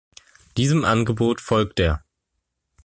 Diesem Angebot folgte er.